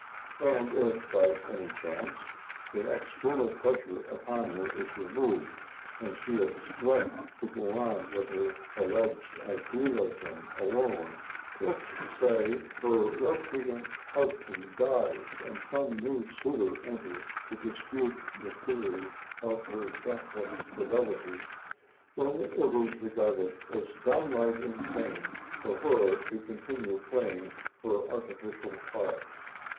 And if, by any chance, the external pressure upon her is removed and she is left to go on with her alleged idealism alone—if, say, her recreant husband dies and some new suitor enters to dispute the theory of her deathless fidelity—then it is regarded as downright insane for her to continue playing her artificial part.